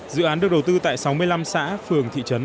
dự án được đầu tư tại sáu mươi năm xã phường thị trấn